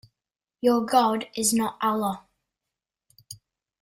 Your God is not Allah.